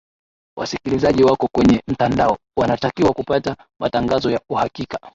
wasikilizaji wako kwenye mtandao wanatakiwa kupata matangazo ya uhakika